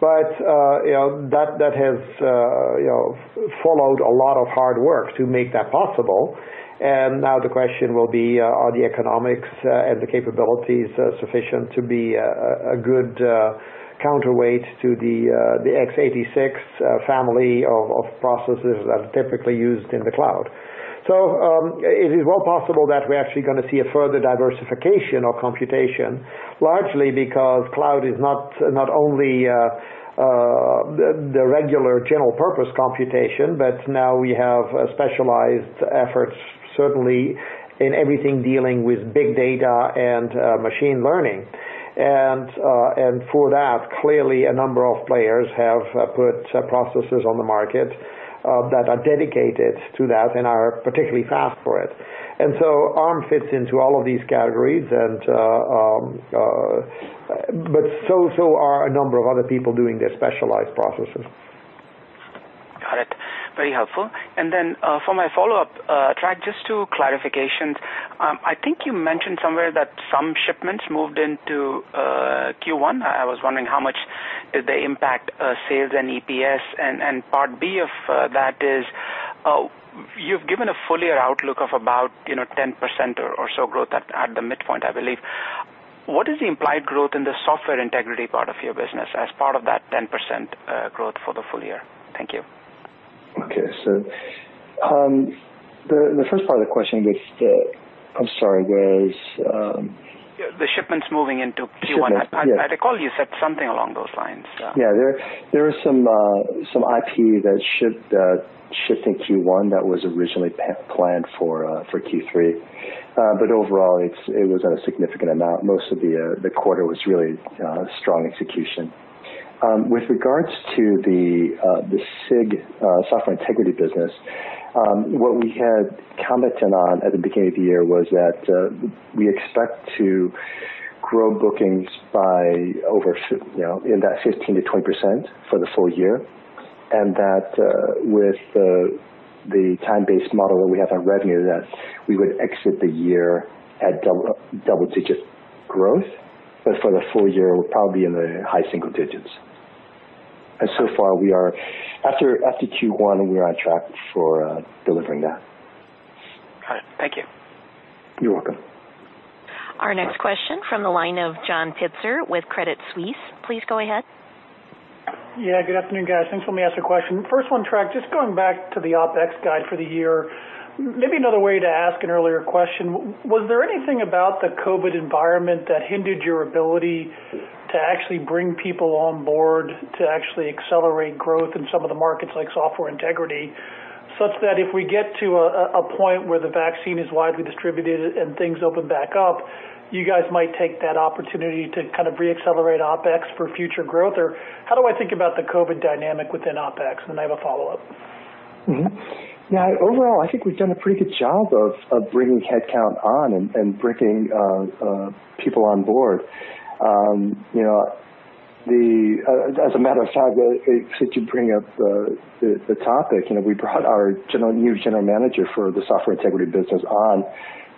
That has followed a lot of hard work to make that possible. Now the question will be, are the economics and the capabilities sufficient to be a good counterweight to the x86 family of processors that are typically used in the cloud? It is well possible that we're actually going to see a further diversification of computation, largely because cloud is not only the regular general-purpose computation, but now we have specialized efforts, certainly in everything dealing with big data and machine learning. For that, clearly a number of players have put processors on the market that are dedicated to that and are particularly fast for it. Arm fits into all of these categories, but so are a number of other people doing their specialized processors. Got it. Very helpful. For my follow-up, Trac, just two clarifications. I think you mentioned somewhere that some shipments moved into Q1. I was wondering how much did they impact sales and EPS. Part B of that is you've given a full year outlook of about 10% or so growth at the midpoint, I believe. What is the implied growth in the Software Integrity part of your business as part of that 10% growth for the full year? Thank you. Okay. The first part of the question, I'm sorry, was? The shipments moving into Q1. Shipments. Yeah. I recall you said something along those lines. There was some IP that shipped in Q1 that was originally planned for Q3. Overall it wasn't a significant amount. Most of the quarter was really strong execution. With regards to the SIG, Software Integrity business, what we had commented on at the beginning of the year was that we expect to grow bookings by over in that 15%-20% for the full year, and that with the time-based model that we have on revenue, that we would exit the year at double-digit growth. For the full year, we're probably in the high single digits. So far after Q1, we are on track for delivering that. Got it. Thank you. You're welcome. Our next question from the line of John Pitzer with Credit Suisse. Please go ahead. Yeah, good afternoon, guys. Thanks for letting me ask a question. First one, Trac, just going back to the OpEx guide for the year. Maybe another way to ask an earlier question, was there anything about the COVID environment that hindered your ability to actually bring people on board to actually accelerate growth in some of the markets like Software Integrity, such that if we get to a point where the vaccine is widely distributed and things open back up, you guys might take that opportunity to kind of re-accelerate OpEx for future growth, or how do I think about the COVID dynamic within OpEx? I have a follow-up. Mm-hmm. Overall, I think we've done a pretty good job of bringing headcount on and bringing people on board. As a matter of fact, since you bring up the topic, we brought our new general manager for the Software Integrity business on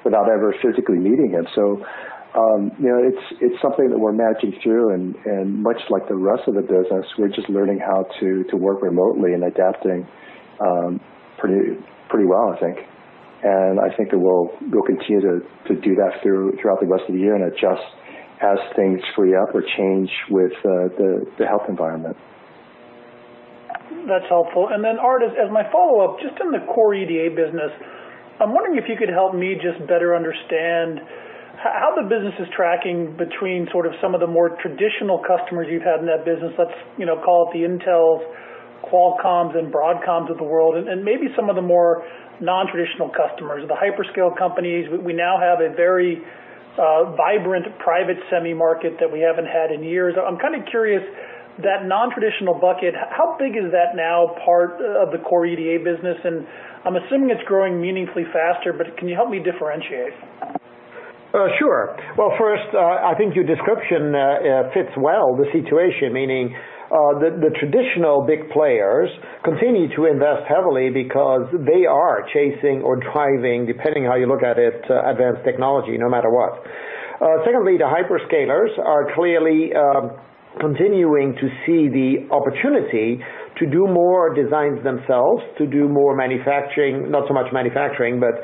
without ever physically meeting him. It's something that we're managing through, and much like the rest of the business, we're just learning how to work remotely and adapting pretty well, I think. I think that we'll continue to do that throughout the rest of the year and adjust as things free up or change with the health environment. That's helpful. Then Aart, as my follow-up, just in the core EDA business, I'm wondering if you could help me just better understand how the business is tracking between sort of some of the more traditional customers you've had in that business. Let's call it the Intels, Qualcomms, and Broadcoms of the world, and maybe some of the more non-traditional customers, the hyperscale companies. We now have a very vibrant private semi market that we haven't had in years. I'm kind of curious, that non-traditional bucket, how big is that now part of the core EDA business? I'm assuming it's growing meaningfully faster, but can you help me differentiate? Well, first, I think your description fits well the situation, meaning, the traditional big players continue to invest heavily because they are chasing or driving, depending on how you look at it, advanced technology no matter what. Secondly, the hyperscalers are clearly continuing to see the opportunity to do more designs themselves, to do more manufacturing, not so much manufacturing, but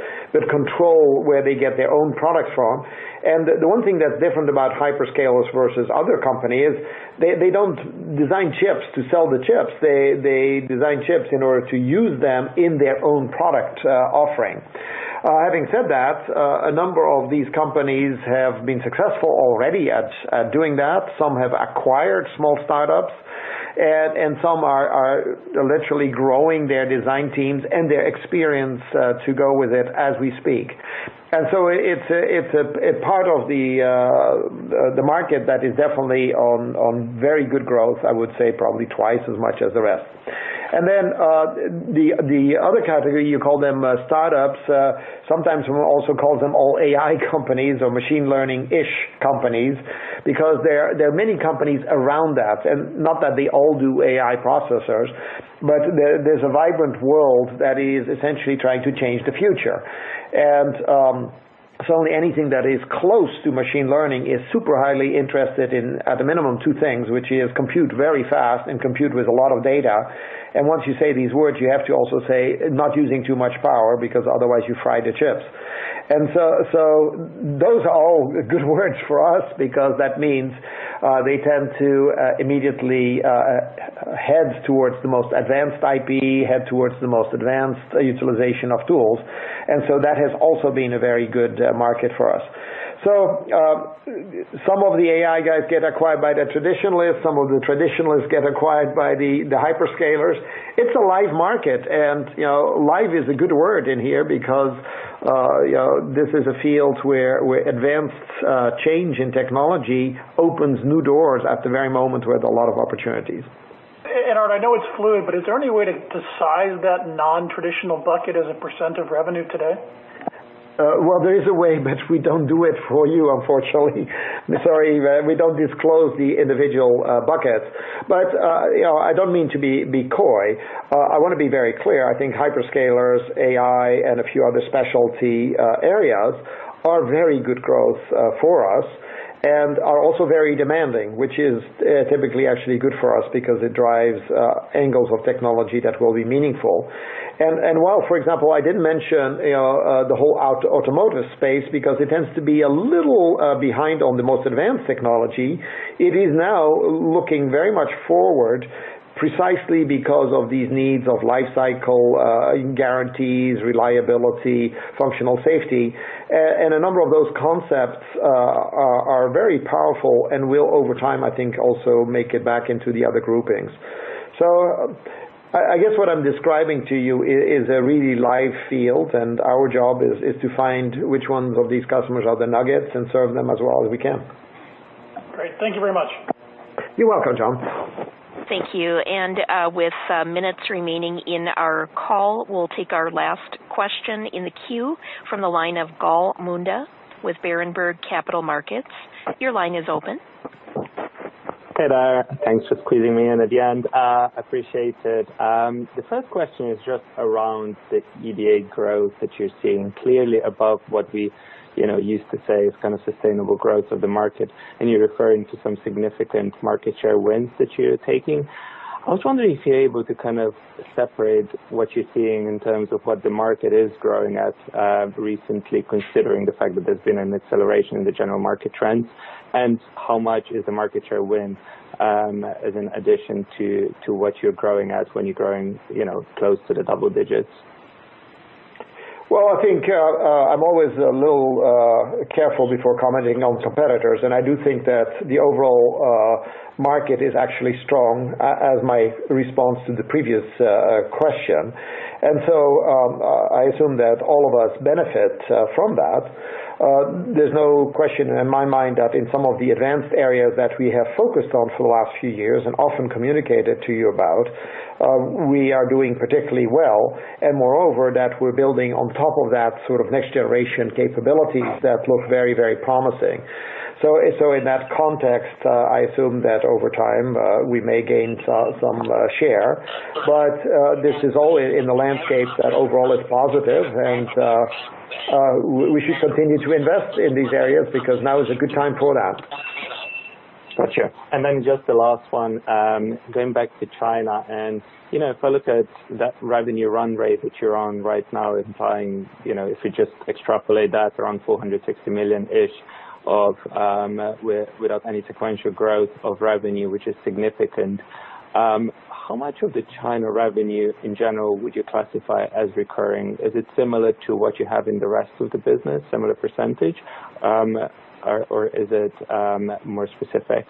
control where they get their own products from. The one thing that's different about hyperscalers versus other companies, they don't design chips to sell the chips. They design chips in order to use them in their own product offering. Having said that, a number of these companies have been successful already at doing that. Some have acquired small startups, some are literally growing their design teams and their experience to go with it as we speak. It's a part of the market that is definitely on very good growth, I would say probably twice as much as the rest. The other category, you call them startups, sometimes we also call them all AI companies or machine learning-ish companies because there are many companies around that, not that they all do AI processors, but there's a vibrant world that is essentially trying to change the future. Only anything that is close to machine learning is super highly interested in, at the minimum, two things, which is compute very fast and compute with a lot of data. Once you say these words, you have to also say not using too much power, because otherwise you fry the chips. Those are all good words for us because that means they tend to immediately head towards the most advanced IP, head towards the most advanced utilization of tools. That has also been a very good market for us. Some of the AI guys get acquired by the traditionalists. Some of the traditionalists get acquired by the hyperscalers. It's a live market, and live is a good word in here because this is a field where advanced change in technology opens new doors at the very moment, with a lot of opportunities. Aart, I know it's fluid, but is there any way to size that nontraditional bucket as a percent of revenue today? There is a way, but we don't do it for you, unfortunately. Sorry, we don't disclose the individual buckets. I don't mean to be coy. I want to be very clear. I think hyperscalers, AI, and a few other specialty areas are very good growth for us and are also very demanding, which is typically actually good for us because it drives angles of technology that will be meaningful. While, for example, I didn't mention the whole automotive space because it tends to be a little behind on the most advanced technology, it is now looking very much forward precisely because of these needs of lifecycle guarantees, reliability, functional safety, and a number of those concepts are very powerful and will, over time, I think, also make it back into the other groupings. I guess what I'm describing to you is a really live field, and our job is to find which ones of these customers are the nuggets and serve them as well as we can. Great. Thank you very much. You're welcome, John. Thank you. With some minutes remaining in our call, we'll take our last question in the queue from the line of Gal Munda with Berenberg Capital Markets. Your line is open. Hey there. Thanks for squeezing me in at the end. Appreciate it. The first question is just around the EDA growth that you're seeing clearly above what we used to say is kind of sustainable growth of the market, and you're referring to some significant market share wins that you're taking. I was wondering if you're able to kind of separate what you're seeing in terms of what the market is growing at recently, considering the fact that there's been an acceleration in the general market trends, and how much is a market share win as an addition to what you're growing at when you're growing close to the double digits? I think I'm always a little careful before commenting on competitors, and I do think that the overall market is actually strong, as my response to the previous question. I assume that all of us benefit from that. There's no question in my mind that in some of the advanced areas that we have focused on for the last few years and often communicated to you about, we are doing particularly well and, moreover, that we're building on top of that sort of next generation capabilities that look very promising. In that context, I assume that over time, we may gain some share. This is all in the landscape that overall is positive, and we should continue to invest in these areas because now is a good time for that. Got you. Just the last one, going back to China, if I look at that revenue run rate that you're on right now, implying if we just extrapolate that around $460 million-ish without any sequential growth of revenue, which is significant, how much of the China revenue in general would you classify as recurring? Is it similar to what you have in the rest of the business, similar percentage, or is it more specific?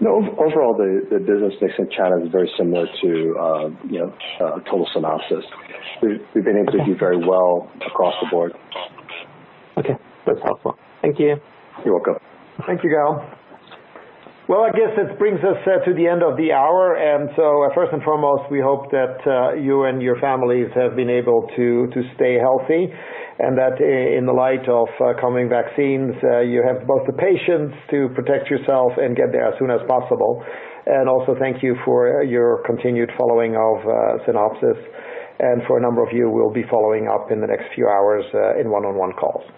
No, overall, the business mix in China is very similar to a total Synopsys. We've been able to do very well across the board. Okay, that's helpful. Thank you. You're welcome. Thank you, Gal. Well, I guess it brings us to the end of the hour, and so first and foremost, we hope that you and your families have been able to stay healthy and that in the light of coming vaccines you have both the patience to protect yourself and get there as soon as possible. Also thank you for your continued following of Synopsys and for a number of you, we'll be following up in the next few hours in one-on-one calls.